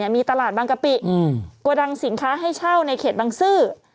มีตลาดบางกะปิโกดังสินค้าให้เช่าในเขตบังซื้อ